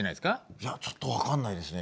いやちょっと分かんないですね。